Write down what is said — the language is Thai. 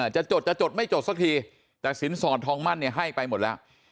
จะจดจะจดไม่จดสักทีแต่สินสอนทองมั่นให้ไปหมดละ